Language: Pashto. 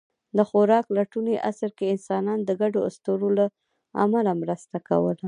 د خوراک لټوني عصر کې انسانان د ګډو اسطورو له امله مرسته کوله.